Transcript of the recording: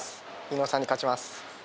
伊野尾さんに勝ちます。